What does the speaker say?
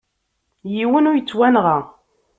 Yiwen ur yettwanɣa.